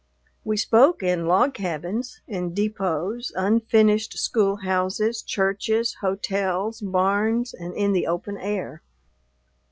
We spoke in log cabins, in depots, unfinished schoolhouses, churches, hotels, barns, and in the open air.